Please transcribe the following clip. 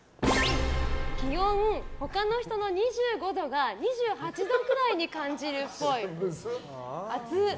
気温、他の人の２５度が２８度くらいに感じるっぽい。